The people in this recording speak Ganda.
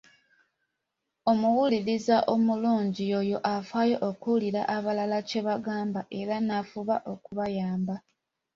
Omuwuliriza omulungi y’oyo afaayo okuwulira abalala kye bagamba era n’afuba okubayamba.